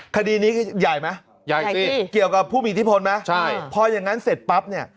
คดีนี้ใหญ่มั้ยเกี่ยวกับผู้มีอิทธิพลมั้ยพอยังงั้นเสร็จปั๊บเนี่ย